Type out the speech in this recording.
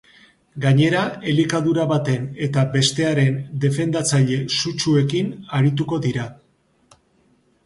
Gainera elikadura baten eta bestearen defendatzaile sutsuekin arituko dira.